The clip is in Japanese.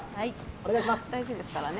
お願いします。